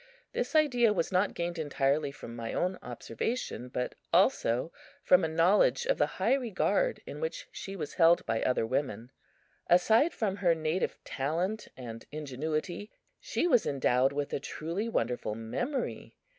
This idea was not gained entirely from my own observation, but also from a knowledge of the high regard in which she was held by other women. Aside from her native talent and ingenuity, she was endowed with a truly wonderful memory.